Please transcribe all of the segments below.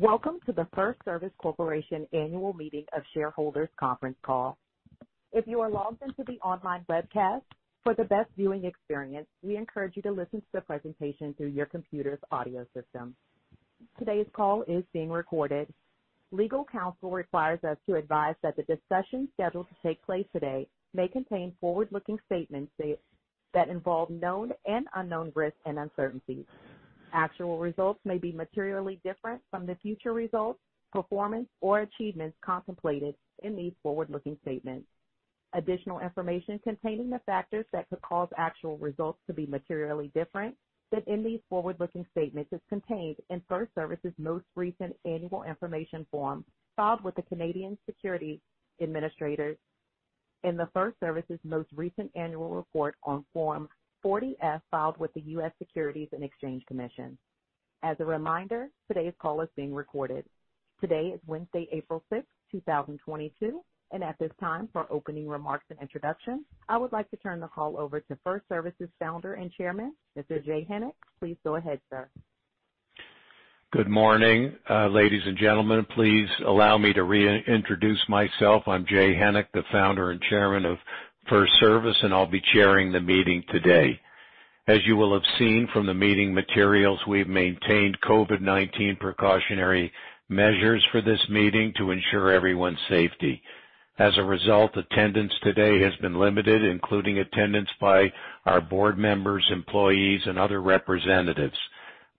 Welcome to the FirstService Corporation Annual Meeting of Shareholders Conference Call. If you are logged into the online webcast, for the best viewing experience, we encourage you to listen to the presentation through your computer's audio system. Today's call is being recorded. Legal counsel requires us to advise that the discussion scheduled to take place today may contain forward-looking statements that involve known and unknown risks and uncertainties. Actual results may be materially different from the future results, performance, or achievements contemplated in these forward-looking statements. Additional information containing the factors that could cause actual results to be materially different than in these forward-looking statements is contained in FirstService's most recent Annual Information Form filed with the Canadian Securities Administrators and FirstService's most recent annual report on Form 40-F filed with the U.S. Securities and Exchange Commission. As a reminder, today's call is being recorded. Today is Wednesday, April 6th, 2022, and at this time, for opening remarks and introduction, I would like to turn the call over to FirstService's founder and Chairman, Mr. Jay Hennick. Please go ahead, sir. Good morning, ladies and gentlemen. Please allow me to reintroduce myself. I'm Jay Hennick, the founder and chairman of FirstService, and I'll be chairing the meeting today. As you will have seen from the meeting materials, we've maintained COVID-19 precautionary measures for this meeting to ensure everyone's safety. As a result, attendance today has been limited, including attendance by our board members, employees, and other representatives.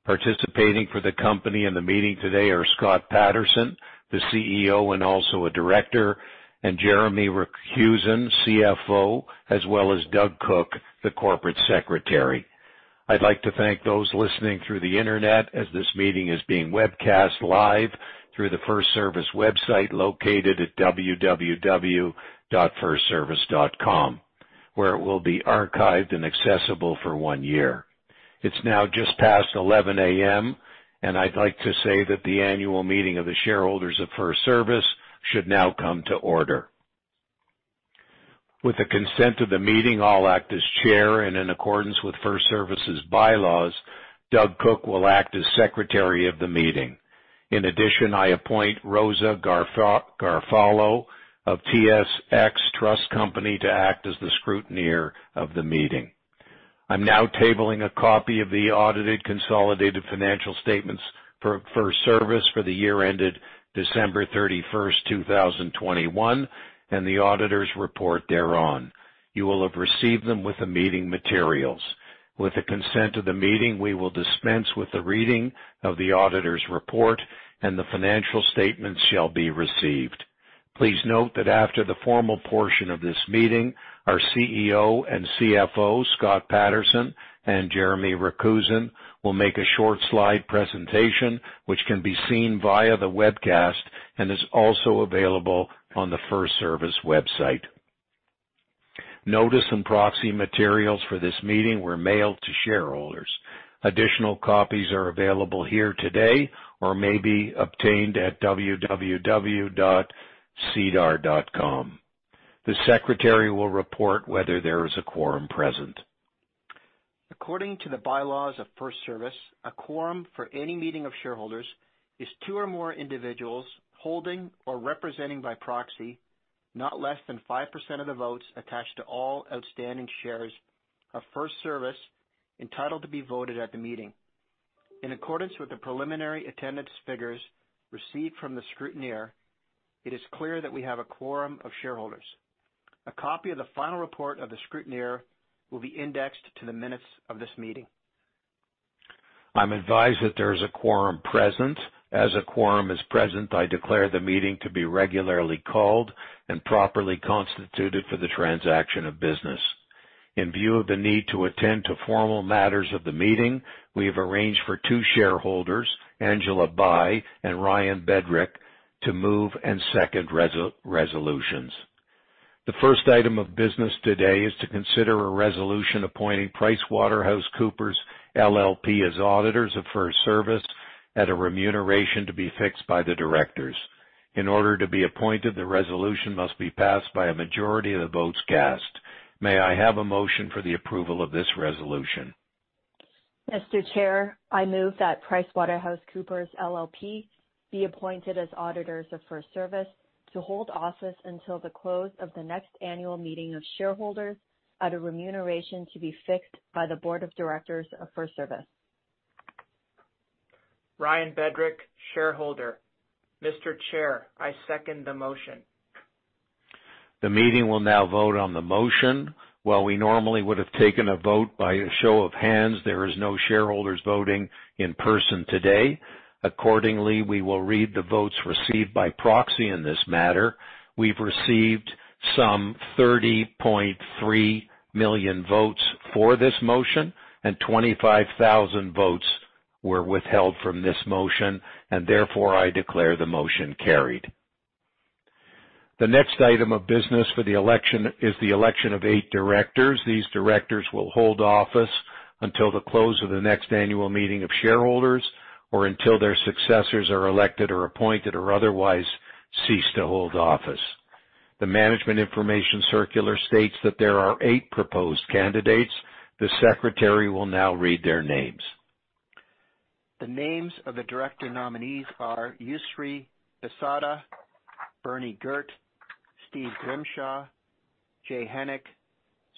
Participating for the company and the meeting today are Scott Patterson, the CEO and also a director, and Jeremy Rakusin, CFO, as well as Doug Cook, the Corporate Secretary. I'd like to thank those listening through the internet as this meeting is being webcast live through the FirstService website located at www.firstservice.com, where it will be archived and accessible for one year. It's now just past 11:00 A.M., and I'd like to say that the annual meeting of the shareholders of FirstService should now come to order. With the consent of the meeting, I'll act as chair, and in accordance with FirstService's bylaws, Doug Cook will act as secretary of the meeting. In addition, I appoint Rosa Garofalo of TSX Trust Company to act as the scrutineer of the meeting. I'm now tabling a copy of the audited consolidated financial statements for FirstService for the year ended December 31st, 2021, and the auditor's report thereon. You will have received them with the meeting materials. With the consent of the meeting, we will dispense with the reading of the Auditor's Report, and the Financial Statements shall be received. Please note that after the formal portion of this meeting, our CEO and CFO, Scott Patterson, and Jeremy Rakusin, will make a short slide presentation, which can be seen via the webcast and is also available on the FirstService website. Notice and proxy materials for this meeting were mailed to shareholders. Additional copies are available here today or may be obtained at www.sedar.com. The secretary will report whether there is a quorum present. According to the bylaws of FirstService, a quorum for any meeting of shareholders is two or more individuals holding or representing by proxy, not less than 5% of the votes attached to all outstanding shares of FirstService entitled to be voted at the meeting. In accordance with the preliminary attendance figures received from the scrutineer, it is clear that we have a quorum of shareholders. A copy of the final report of the scrutineer will be indexed to the minutes of this meeting. I'm advised that there is a quorum present. As a quorum is present, I declare the meeting to be regularly called and properly constituted for the transaction of business. In view of the need to attend to formal matters of the meeting, we have arranged for two shareholders, Angela Bai and Ryan Bedrich, to move and second resolutions. The first item of business today is to consider a resolution appointing PricewaterhouseCoopers LLP as auditors of FirstService at a remuneration to be fixed by the directors. In order to be appointed, the resolution must be passed by a majority of the votes cast. May I have a motion for the approval of this resolution? Mr. Chair, I move that PricewaterhouseCoopers LLP be appointed as auditors of FirstService to hold office until the close of the next annual meeting of shareholders at a remuneration to be fixed by the board of directors of FirstService. Ryan Bedrich, shareholder. Mr. Chair, I second the motion. The meeting will now vote on the motion. While we normally would have taken a vote by a show of hands, there are no shareholders voting in person today. Accordingly, we will read the votes received by proxy in this matter. We've received some 30.3 million votes for this motion, and 25,000 votes were withheld from this motion, and therefore I declare the motion carried. The next item of business for the election is the election of eight directors. These directors will hold office until the close of the next Annual Meeting of Shareholders or until their successors are elected or appointed or otherwise cease to hold office. The Management Information Circular states that there are eight proposed candidates. The secretary will now read their names. The names of the director nominees are Yousry Bissada, Bernie Ghert, Steve Grimshaw, Jay S. Hennick,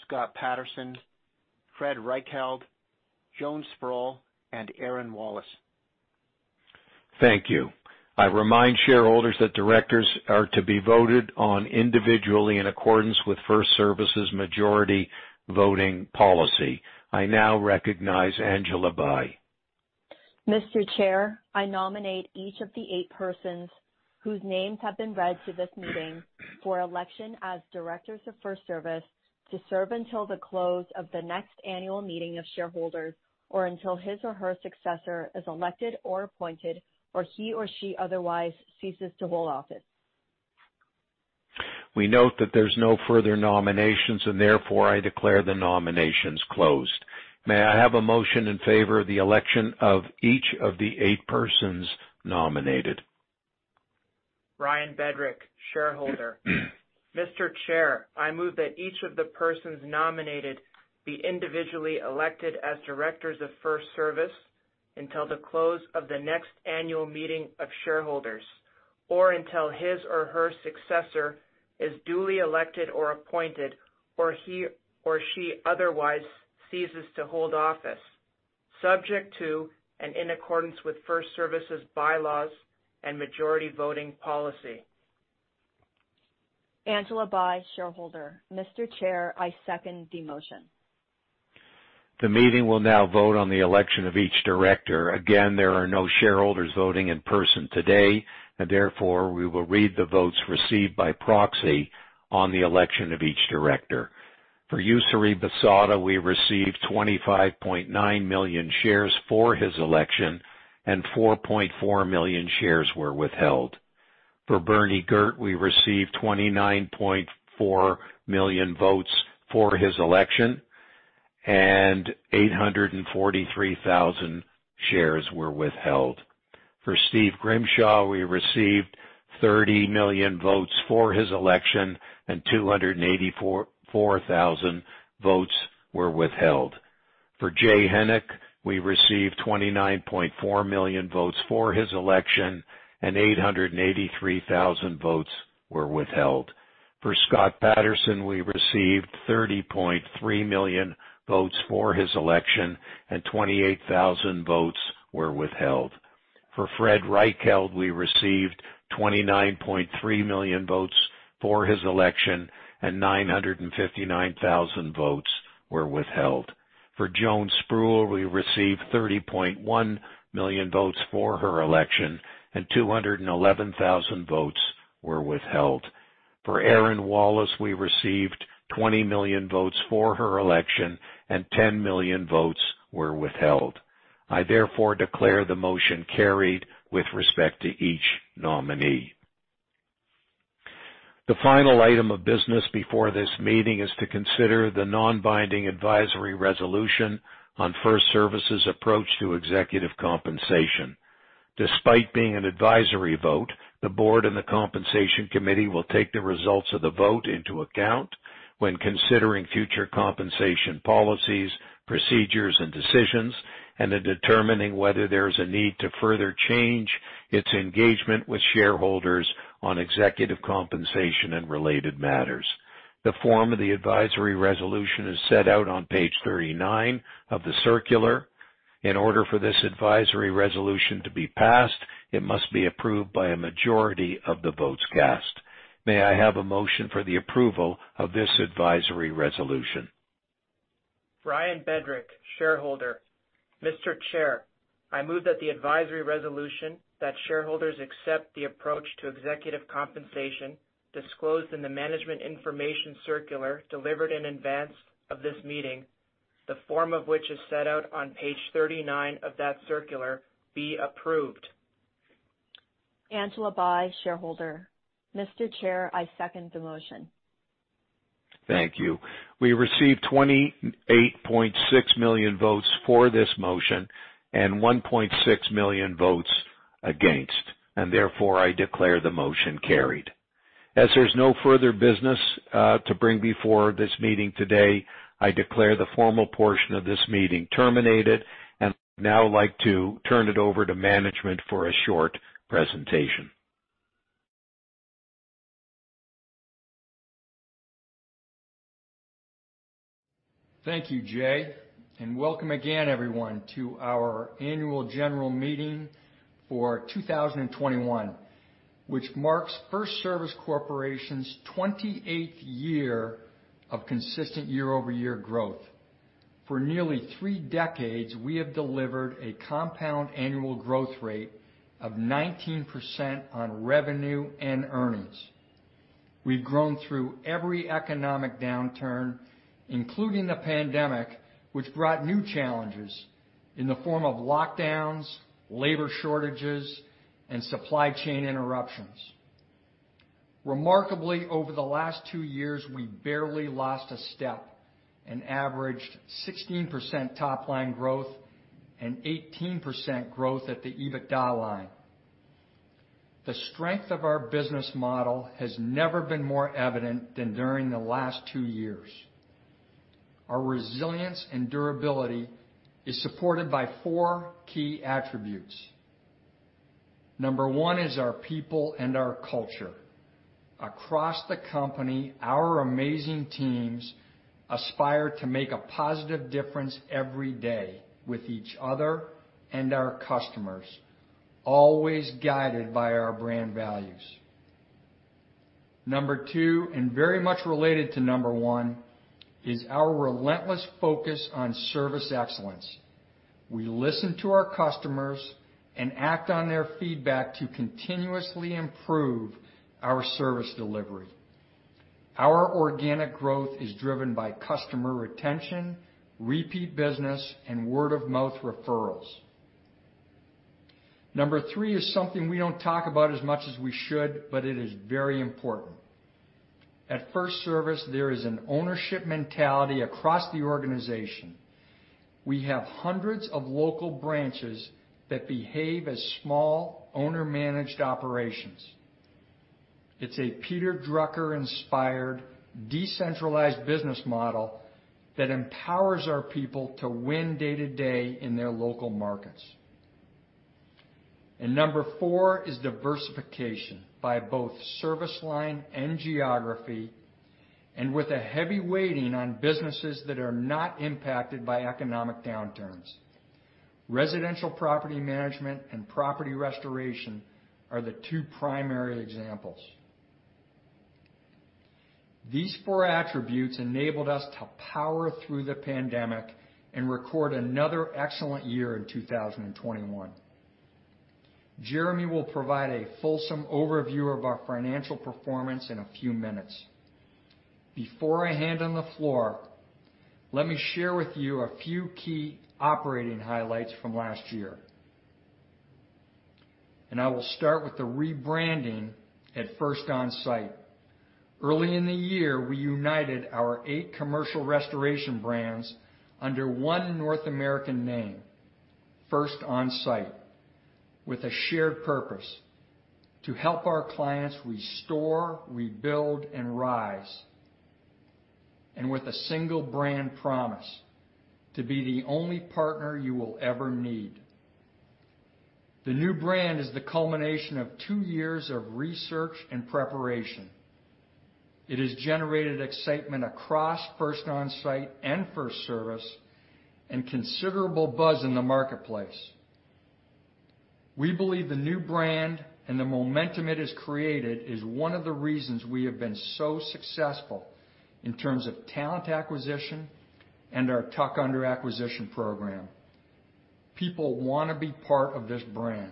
Scott Patterson, Fred Reichheld, Joan Sproul, and Erin Wallace. Thank you. I remind shareholders that directors are to be voted on individually in accordance with FirstService's majority voting policy. I now recognize Angela Bai. Mr. Chair, I nominate each of the eight persons whose names have been read to this meeting for election as directors of FirstService to serve until the close of the next annual meeting of shareholders or until his or her successor is elected or appointed or he or she otherwise ceases to hold office. We note that there's no further nominations, and therefore I declare the nominations closed. May I have a motion in favor of the election of each of the eight persons nominated? Ryan Bedrich, shareholder. Mr. Chair, I move that each of the persons nominated be individually elected as directors of FirstService until the close of the next annual meeting of shareholders or until his or her successor is duly elected or appointed or he or she otherwise ceases to hold office, subject to and in accordance with FirstService's bylaws and majority voting policy. Angela Bai, shareholder. Mr. Chair, I second the motion. The meeting will now vote on the election of each director. Again, there are no shareholders voting in person today, and therefore we will read the votes received by proxy on the election of each director. For Yousry Bissada, we received 25.9 million shares for his election, and 4.4 million shares were withheld. For Bernie Ghert, we received 29.4 million votes for his election, and 843,000 shares were withheld. For Steve Grimshaw, we received 30 million votes for his election, and 284,000 votes were withheld. For Jay Hennick, we received 29.4 million votes for his election, and 883,000 votes were withheld. For Scott Patterson, we received 30.3 million votes for his election, and 28,000 votes were withheld. For Fred Reichheld, we received 29.3 million votes for his election, and 959,000 votes were withheld. For Joan Sproul, we received 30.1 million votes for her election, and 211,000 votes were withheld. For Erin Wallace, we received 20 million votes for her election, and 10 million votes were withheld. I therefore declare the motion carried with respect to each nominee. The final item of business before this meeting is to consider the non-binding advisory resolution on FirstService's approach to executive compensation. Despite being an advisory vote, the board and the compensation committee will take the results of the vote into account when considering future compensation policies, procedures, and decisions, and in determining whether there is a need to further change its engagement with shareholders on executive compensation and related matters. The form of the advisory resolution is set out on page 39 of the circular. In order for this advisory resolution to be passed, it must be approved by a majority of the votes cast. May I have a motion for the approval of this advisory resolution? Ryan Bedrich, shareholder. Mr. Chair, I move that the advisory resolution that shareholders accept the approach to executive compensation disclosed in the Management Information Circular delivered in advance of this meeting, the form of which is set out on page 39 of that circular, be approved. Angela Bai, shareholder. Mr. Chair, I second the motion. Thank you. We received 28.6 million votes for this motion and 1.6 million votes against, and therefore I declare the motion carried. As there's no further business to bring before this meeting today, I declare the formal portion of this meeting terminated, and I'd now like to turn it over to management for a short presentation. Thank you, Jay, and welcome again, everyone, to our Annual General Meeting for 2021, which marks FirstService Corporation's 28th year of consistent year-over-year growth. For nearly three decades, we have delivered a compound annual growth rate of 19% on revenue and earnings. We've grown through every economic downturn, including the pandemic, which brought new challenges in the form of lockdowns, labor shortages, and supply chain interruptions. Remarkably, over the last two years, we barely lost a step and averaged 16% top-line growth and 18% growth at the EBITDA line. The strength of our business model has never been more evident than during the last two years. Our resilience and durability is supported by four key attributes. Number one is our people and our culture. Across the company, our amazing teams aspire to make a positive difference every day with each other and our customers, always guided by our brand values. Number two, and very much related to number one, is our relentless focus on service excellence. We listen to our customers and act on their feedback to continuously improve our service delivery. Our organic growth is driven by customer retention, repeat business, and word-of-mouth referrals. Number three is something we don't talk about as much as we should, but it is very important. At FirstService, there is an ownership mentality across the organization. We have hundreds of local branches that behave as small owner-managed operations. It's a Peter Drucker-inspired decentralized business model that empowers our people to win day-to-day in their local markets. Number four is diversification by both service line and geography, and with a heavy weighting on businesses that are not impacted by economic downturns. Residential property management and property restoration are the two primary examples. These four attributes enabled us to power through the pandemic and record another excellent year in 2021. Jeremy will provide a fulsome overview of our financial performance in a few minutes. Before I hand on the floor, let me share with you a few key operating highlights from last year. I will start with the rebranding at First Onsite. Early in the year, we united our eight commercial restoration brands under one North American name, First Onsite, with a shared purpose: to help our clients restore, rebuild, and rise, and with a single brand promise to be the only partner you will ever need. The new brand is the culmination of two years of research and preparation. It has generated excitement across First Onsite and FirstService and considerable buzz in the marketplace. We believe the new brand and the momentum it has created is one of the reasons we have been so successful in terms of talent acquisition and our tuck-under acquisition program. People want to be part of this brand.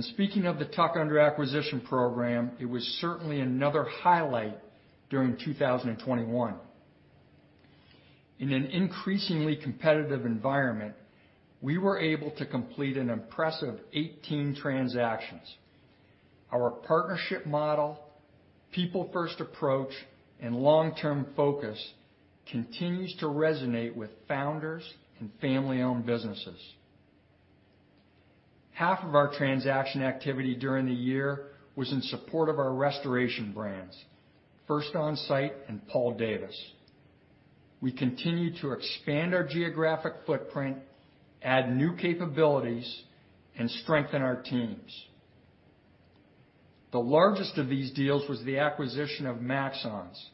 Speaking of the tuck-under acquisition program, it was certainly another highlight during 2021. In an increasingly competitive environment, we were able to complete an impressive 18 transactions. Our partnership model, people-first approach, and long-term focus continues to resonate with founders and family-owned businesses. Half of our transaction activity during the year was in support of our restoration brands, First Onsite and Paul Davis. We continue to expand our geographic footprint, add new capabilities, and strengthen our teams. The largest of these deals was the acquisition of Maxons,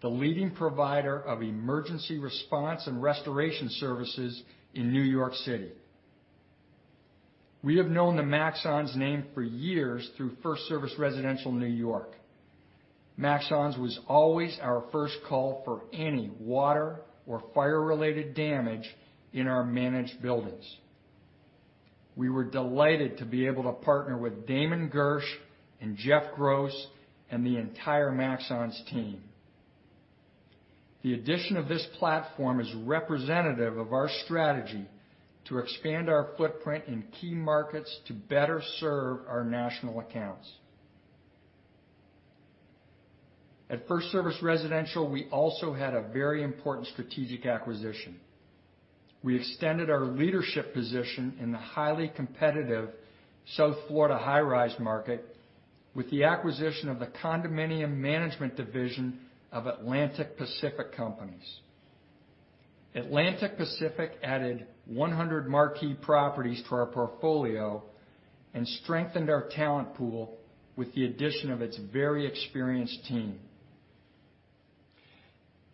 the leading provider of emergency response and restoration services in New York City. We have known the Maxons name for years through FirstService Residential New York. Maxons was always our first call for any water or fire-related damage in our managed buildings. We were delighted to be able to partner with Damon Gersh, and Jeff Gross, and the entire Maxons team. The addition of this platform is representative of our strategy to expand our footprint in key markets to better serve our national accounts. At FirstService Residential, we also had a very important strategic acquisition. We extended our leadership position in the highly competitive South Florida high-rise market with the acquisition of the condominium management division of Atlantic Pacific Companies. Atlantic Pacific added 100 marquee properties to our portfolio and strengthened our talent pool with the addition of its very experienced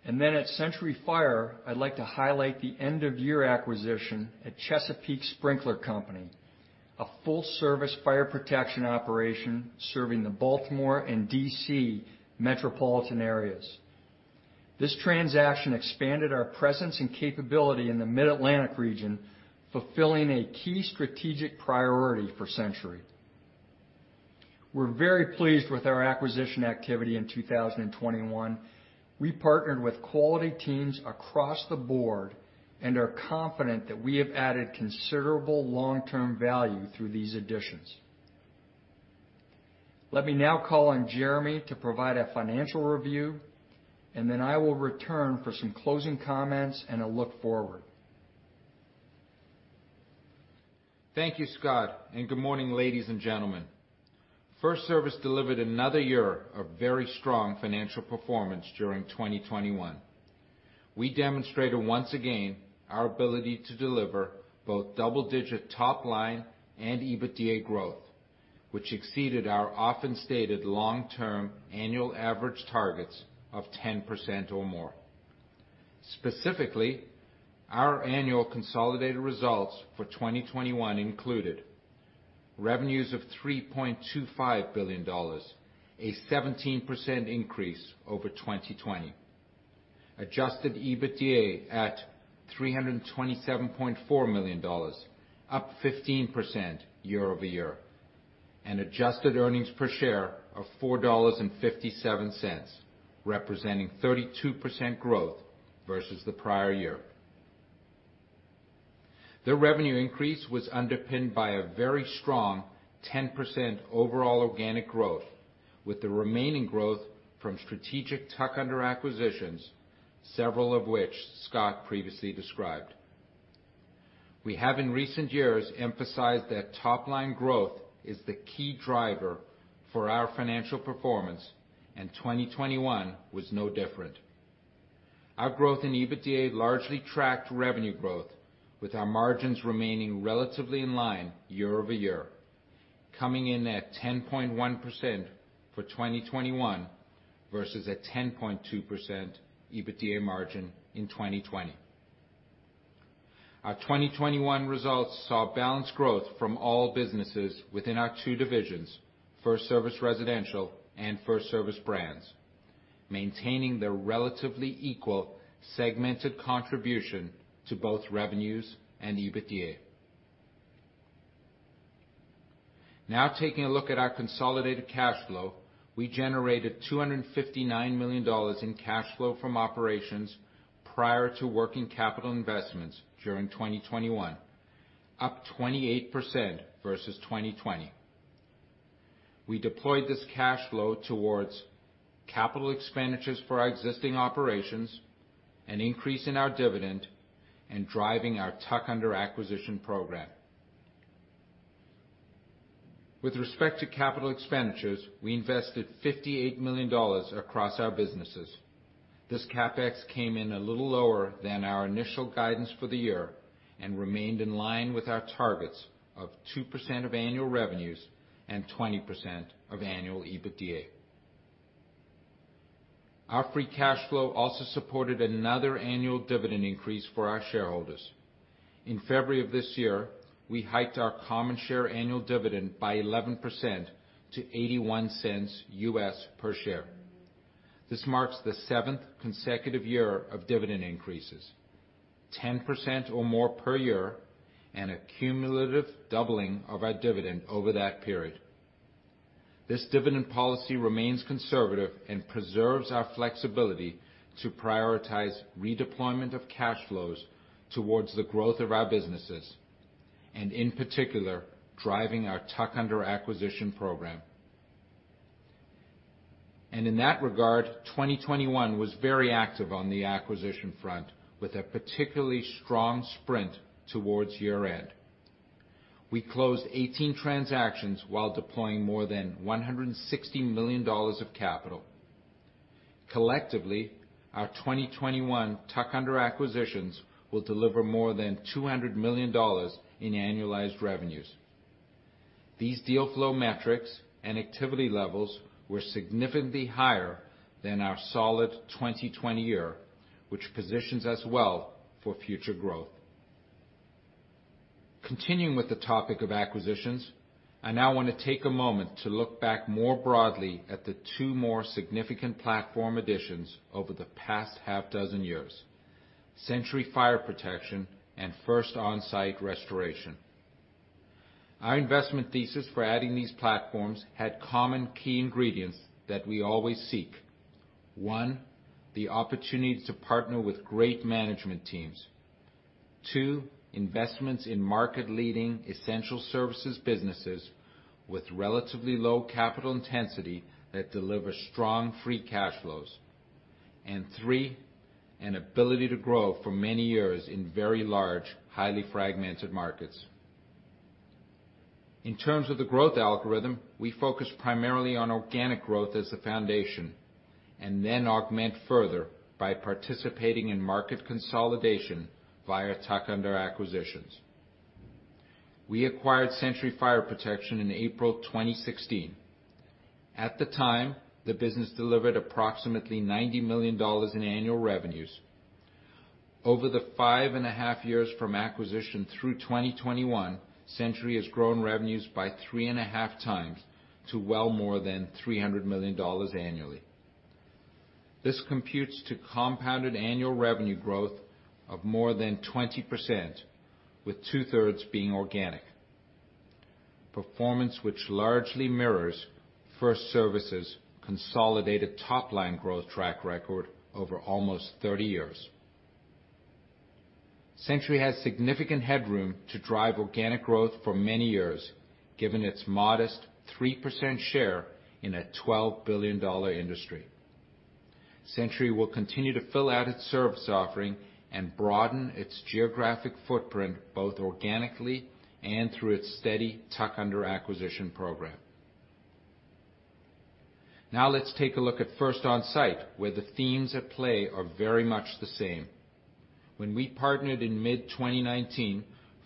team. Then at Century Fire, I'd like to highlight the end-of-year acquisition at Chesapeake Sprinkler Company, a full-service fire protection operation serving the Baltimore and D.C. metropolitan areas. This transaction expanded our presence and capability in the Mid-Atlantic region, fulfilling a key strategic priority for Century. We're very pleased with our acquisition activity in 2021. We partnered with quality teams across the board and are confident that we have added considerable long-term value through these additions. Let me now call on Jeremy to provide a financial review, and then I will return for some closing comments and a look forward. Thank you, Scott, and good morning, ladies and gentlemen. FirstService delivered another year of very strong financial performance during 2021. We demonstrated once again our ability to deliver both double-digit top-line and EBITDA growth, which exceeded our often-stated long-term annual average targets of 10% or more. Specifically, our annual consolidated results for 2021 included revenues of $3.25 billion, a 17% increase over 2020, Adjusted EBITDA at $327.4 million, up 15% year-over-year, and Adjusted Earnings Per Share of $4.57, representing 32% growth versus the prior year. The revenue increase was underpinned by a very strong 10% overall organic growth, with the remaining growth from strategic tuck-under acquisitions, several of which Scott previously described. We have in recent years emphasized that top-line growth is the key driver for our financial performance, and 2021 was no different. Our growth in EBITDA largely tracked revenue growth, with our margins remaining relatively in line year-over-year, coming in at 10.1% for 2021 versus a 10.2% EBITDA margin in 2020. Our 2021 results saw balanced growth from all businesses within our two divisions, FirstService Residential and FirstService Brands, maintaining their relatively equal segmented contribution to both revenues and EBITDA. Now taking a look at our consolidated cash flow, we generated $259 million in cash flow from operations prior to working capital investments during 2021, up 28% versus 2020. We deployed this cash flow towards capital expenditures for our existing operations, an increase in our dividend, and driving our tuck-under acquisition program. With respect to capital expenditures, we invested $58 million across our businesses. This CapEx came in a little lower than our initial guidance for the year and remained in line with our targets of 2% of annual revenues and 20% of annual EBITDA. Our free cash flow also supported another annual dividend increase for our shareholders. In February of this year, we hiked our common share annual dividend by 11% to $0.81 per share. This marks the seventh consecutive year of dividend increases, 10% or more per year, and a cumulative doubling of our dividend over that period. This dividend policy remains conservative and preserves our flexibility to prioritize redeployment of cash flows towards the growth of our businesses, and in particular, driving our tuck-under acquisition program. And in that regard, 2021 was very active on the acquisition front, with a particularly strong sprint towards year-end. We closed 18 transactions while deploying more than $160 million of capital. Collectively, our 2021 tuck-under acquisitions will deliver more than $200 million in annualized revenues. These deal flow metrics and activity levels were significantly higher than our solid 2020 year, which positions us well for future growth. Continuing with the topic of acquisitions, I now want to take a moment to look back more broadly at the two more significant platform additions over the past half-dozen years: Century Fire Protection and First Onsite Restoration. Our investment thesis for adding these platforms had common key ingredients that we always seek. One, the opportunity to partner with great management teams. Two, investments in market-leading essential services businesses with relatively low capital intensity that deliver strong free cash flows. And three, an ability to grow for many years in very large, highly fragmented markets. In terms of the growth algorithm, we focus primarily on organic growth as the foundation and then augment further by participating in market consolidation via tuck-under acquisitions. We acquired Century Fire Protection in April 2016. At the time, the business delivered approximately $90 million in annual revenues. Over the 5.5 years from acquisition through 2021, Century has grown revenues by 3.5 times to well more than $300 million annually. This computes to compounded annual revenue growth of more than 20%, with two-thirds being organic performance, which largely mirrors FirstService's consolidated top-line growth track record over almost 30 years. Century has significant headroom to drive organic growth for many years, given its modest 3% share in a $12 billion industry. Century will continue to fill out its service offering and broaden its geographic footprint both organically and through its steady tuck-under acquisition program. Now let's take a look at First Onsite, where the themes at play are very much the same. When we partnered in mid-2019,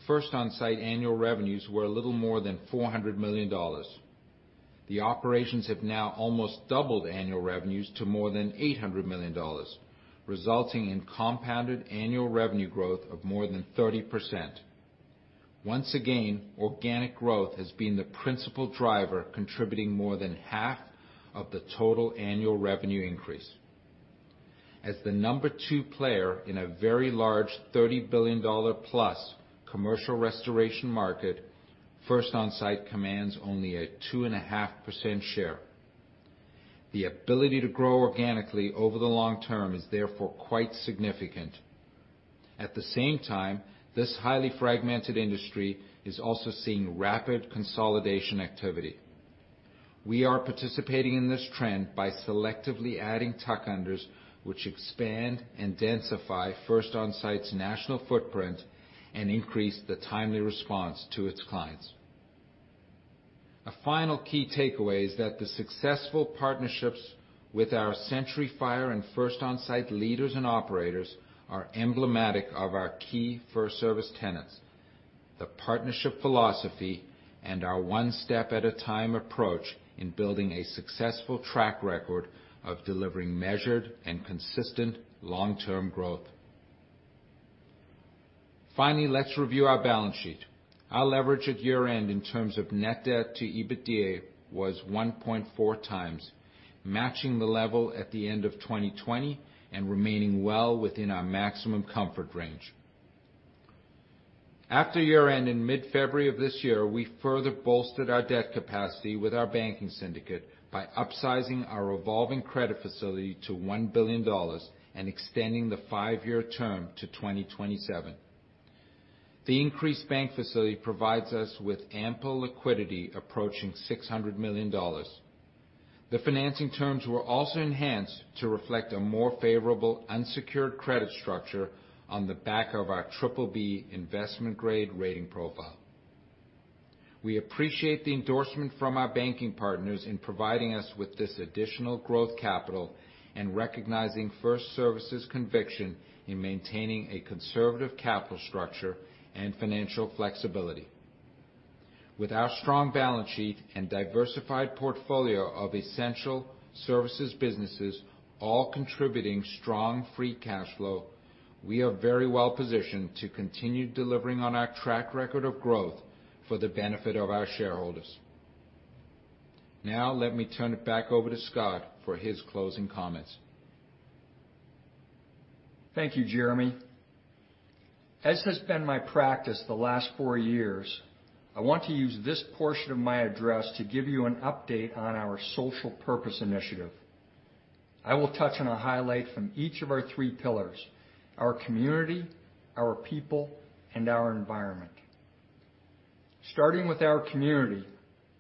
First Onsite annual revenues were a little more than $400 million. The operations have now almost doubled annual revenues to more than $800 million, resulting in compounded annual revenue growth of more than 30%. Once again, organic growth has been the principal driver, contributing more than half of the total annual revenue increase. As the number two player in a very large $30 billion-plus commercial restoration market, First Onsite commands only a 2.5% share. The ability to grow organically over the long term is therefore quite significant. At the same time, this highly fragmented industry is also seeing rapid consolidation activity. We are participating in this trend by selectively adding tuck-unders, which expand and densify First Onsite's national footprint and increase the timely response to its clients. A final key takeaway is that the successful partnerships with our Century Fire and First Onsite leaders and operators are emblematic of our key FirstService tenets: the partnership philosophy and our one-step-at-a-time approach in building a successful track record of delivering measured and consistent long-term growth. Finally, let's review our balance sheet. Our leverage at year-end in terms of Net Debt to EBITDA was 1.4 times, matching the level at the end of 2020 and remaining well within our maximum comfort range. After year-end in mid-February of this year, we further bolstered our debt capacity with our banking syndicate by upsizing our revolving credit facility to $1 billion and extending the 5-year term to 2027. The increased bank facility provides us with ample liquidity approaching $600 million. The financing terms were also enhanced to reflect a more favorable unsecured credit structure on the back of our BBB investment-grade rating profile. We appreciate the endorsement from our banking partners in providing us with this additional growth capital and recognizing FirstService's conviction in maintaining a conservative capital structure and financial flexibility. With our strong balance sheet and diversified portfolio of essential services businesses all contributing strong free cash flow, we are very well positioned to continue delivering on our track record of growth for the benefit of our shareholders. Now let me turn it back over to Scott for his closing comments. Thank you, Jeremy. As has been my practice the last four years, I want to use this portion of my address to give you an update on our social purpose initiative. I will touch on a highlight from each of our three pillars: our community, our people, and our environment. Starting with our community,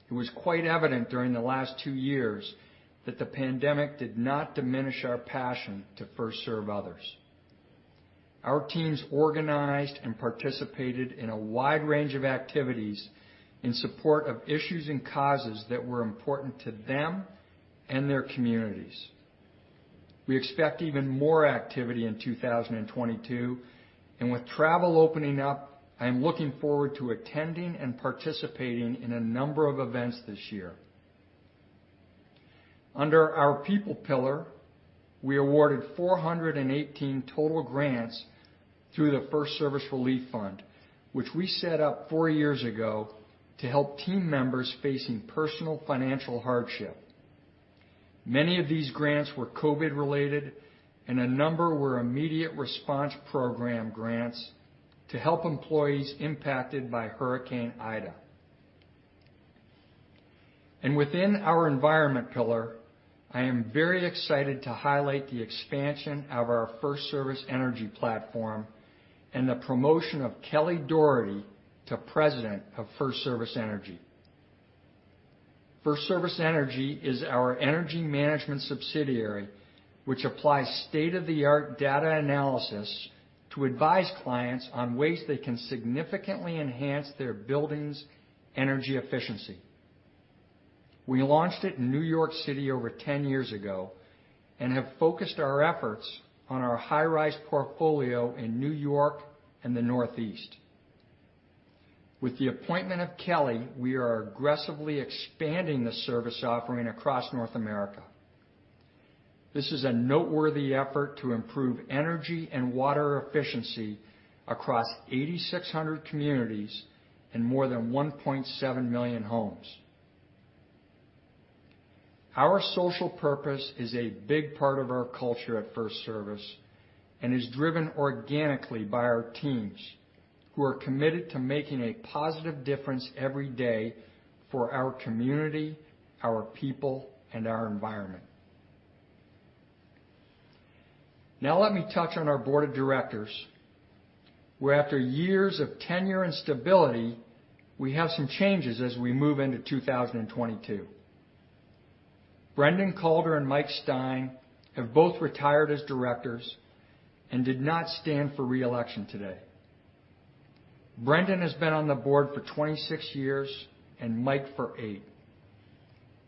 it was quite evident during the last two years that the pandemic did not diminish our passion to first serve others. Our teams organized and participated in a wide range of activities in support of issues and causes that were important to them and their communities. We expect even more activity in 2022, and with travel opening up, I am looking forward to attending and participating in a number of events this year. Under our people pillar, we awarded 418 total grants through the FirstService Relief Fund, which we set up four years ago to help team members facing personal financial hardship. Many of these grants were COVID-related, and a number were immediate response program grants to help employees impacted by Hurricane Ida. Within our environment pillar, I am very excited to highlight the expansion of our FirstService Energy platform and the promotion of Kelly Dougherty to president of FirstService Energy. FirstService Energy is our energy management subsidiary, which applies state-of-the-art data analysis to advise clients on ways they can significantly enhance their buildings' energy efficiency. We launched it in New York City over 10 years ago and have focused our efforts on our high-rise portfolio in New York and the Northeast. With the appointment of Kelly, we are aggressively expanding the service offering across North America. This is a noteworthy effort to improve energy and water efficiency across 8,600 communities and more than 1.7 million homes. Our social purpose is a big part of our culture at FirstService and is driven organically by our teams who are committed to making a positive difference every day for our community, our people, and our environment. Now let me touch on our board of directors, where after years of tenure and stability, we have some changes as we move into 2022. Brendan Calder and Mike Stein have both retired as directors and did not stand for reelection today. Brendan has been on the board for 26 years and Mike for eight.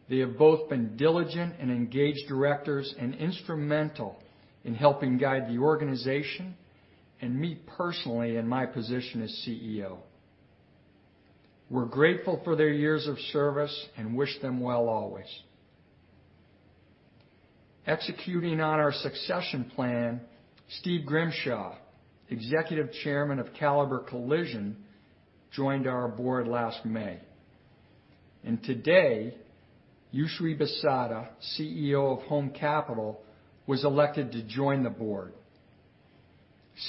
They have both been diligent and engaged directors and instrumental in helping guide the organization and me personally in my position as CEO. We're grateful for their years of service and wish them well always. Executing on our succession plan, Steve Grimshaw, Executive Chairman of Caliber Collision, joined our board last May. And today, Yousry Bissada, CEO of Home Capital Group, was elected to join the board.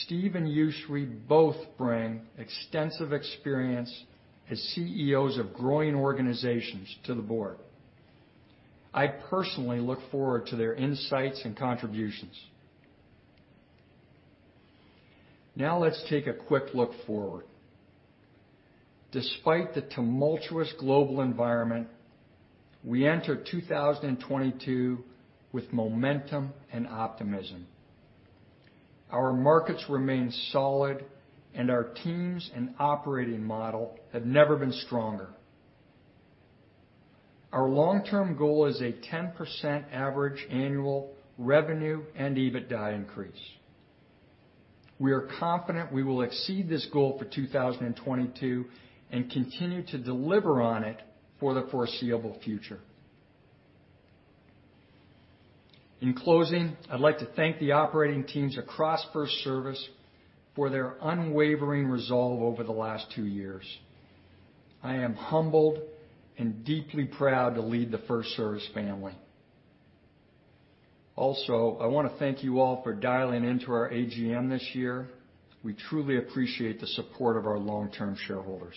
Steve and Yousry both bring extensive experience as CEOs of growing organizations to the board. I personally look forward to their insights and contributions. Now let's take a quick look forward. Despite the tumultuous global environment, we enter 2022 with momentum and optimism. Our markets remain solid, and our teams and operating model have never been stronger. Our long-term goal is a 10% average annual revenue and EBITDA increase. We are confident we will exceed this goal for 2022 and continue to deliver on it for the foreseeable future. In closing, I'd like to thank the operating teams across FirstService for their unwavering resolve over the last two years. I am humbled and deeply proud to lead the FirstService family. Also, I want to thank you all for dialing into our AGM this year. We truly appreciate the support of our long-term shareholders.